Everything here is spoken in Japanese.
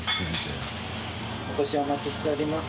複腺大谷）お越しをお待ちしております。